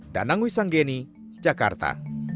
danang wissanggeni jakarta